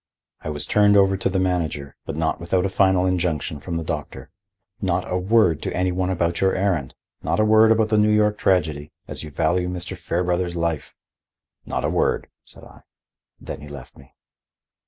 I was turned over to the manager, but not without a final injunction from the doctor. "Not a word to any one about your errand! Not a word about the New York tragedy, as you value Mr. Fairbrother's life." "Not a word," said I. Then he left me.